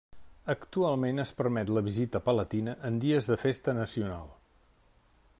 Actualment es permet la visita palatina en dies de festa nacional.